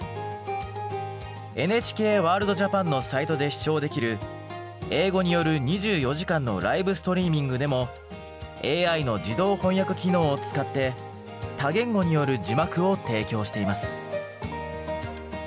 ＮＨＫワールドＪＡＰＡＮのサイトで視聴できる英語による２４時間のライブストリーミングでもＡＩの自動翻訳機能を使って多言語による字幕を提供しています。